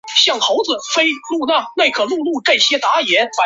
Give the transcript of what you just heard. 哈克特斯敦是美国纽泽西州沃伦郡的一个城市。